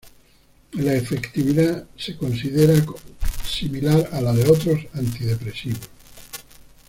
La efectividad se considera como similar a la de otros antidepresivos.